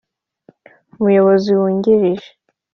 Umuyobozi wungirije